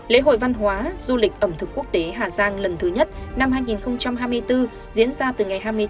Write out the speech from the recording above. lễ hội văn hóa du lịch ẩm thực quốc tế hà giang lần thứ nhất năm hai nghìn hai mươi bốn diễn ra từ ngày